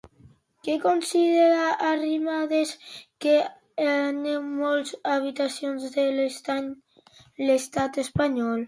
Què considera Arrimadas que anhelen molts habitants de l'estat espanyol?